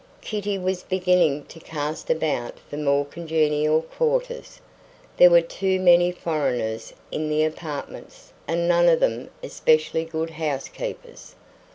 Kitty was beginning to cast about for more congenial quarters. There were too many foreigners in the apartments, and none of them especially good housekeepers.